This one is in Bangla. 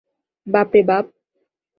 বাপ রে বাপ!